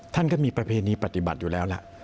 ท่านก็มีประเพณีปฏิบัติอยู่แล้วล่ะ